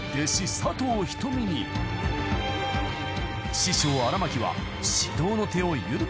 ［師匠荒牧は］